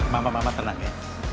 mama mama tenang ya